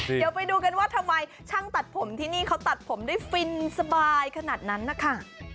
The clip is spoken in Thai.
เดี๋ยวไปดูกันว่าทำไมช่างตัดผมที่นี่เขาตัดผมด้วยฟินสบายขนาดนั้นนะคะ